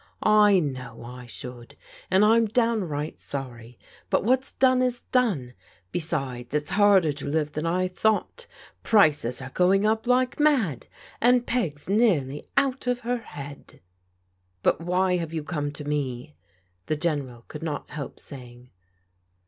" I know I should, and I'm downright sorry, but what's done is done. Besides, it's harder to live than I thought : prices are going up like mad, and Peg's nearly out of her head." " But why have you come to me ?" the General could not help saying.